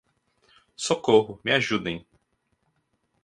Socorro, me ajudem!